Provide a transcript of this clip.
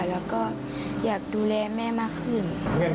แล้วก็อยากดูแลแม่มากขึ้น